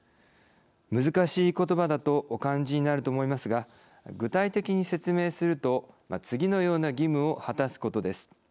難しいことばだとお感じになると思いますが具体的に説明すると次のような義務を果たすことです。